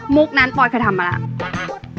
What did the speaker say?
มุกนั้นปลอดภัยเคยทำมาแล้ว